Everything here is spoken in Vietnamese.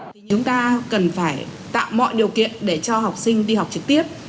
chúng ta cần phải tạo mọi điều kiện để cho học sinh đi học trực tiếp